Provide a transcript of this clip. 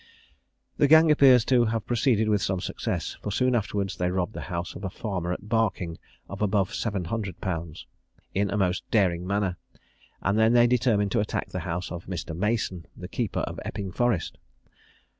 The gang appear to have proceeded with some success, for soon afterwards they robbed the house of a farmer at Barking of above 700_l_. in a most daring manner, and then they determined to attack the house of Mr. Mason, the keeper of Epping Forest.